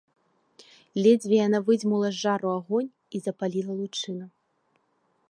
Ледзьве яна выдзьмула з жару агонь і запаліла лучыну.